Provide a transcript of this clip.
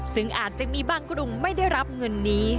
ซึ่งอาจจะมีบางกรุงไม่ได้รับเงินนี้